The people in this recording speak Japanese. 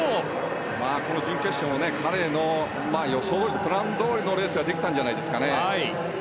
この準決勝も彼のプランどおりのレースができたんじゃないですかね。